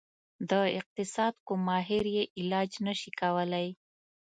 د اقتصاد کوم ماهر یې علاج نشي کولی.